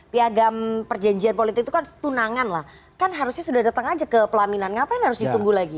piagam perjanjian politik itu kan tunangan lah kan harusnya sudah datang aja ke pelaminan ngapain harus ditunggu lagi